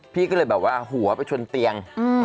พี่ก็เลยแบบว่าหัวไปชนเตียง